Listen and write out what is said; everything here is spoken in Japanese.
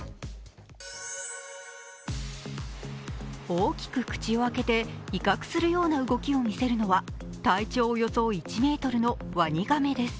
大きく口を開けて威嚇するような動きを見せるのは体長およそ１ｍのワニガメです。